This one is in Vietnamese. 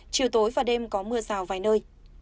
chiều tối và đêm có mưa rào vài nơi